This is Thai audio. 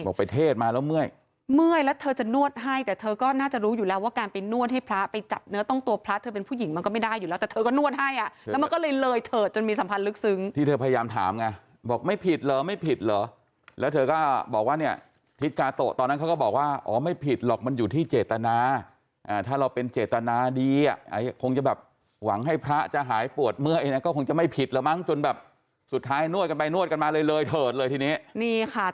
ออกไปเทศมาแล้วเมื่อยเมื่อยแล้วเธอจะนวดให้แต่เธอก็น่าจะรู้อยู่แล้วว่าการไปนวดให้พระไปจับเนื้อต้องตัวพระเธอเป็นผู้หญิงมันก็ไม่ได้อยู่แล้วแต่เธอก็นวดให้อ่ะแล้วมันก็เลยเลยเถิดจนมีสัมพันธ์ลึกซึ้งที่เธอพยายามถามไงบอกไม่ผิดเหรอไม่ผิดเหรอแล้วเธอก็บอกว่าเนี่ยทิศกาโตตอนนั้นเขาก็บอกว่าอ